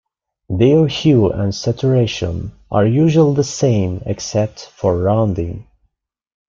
Their hue and saturation are usually the same except for rounding.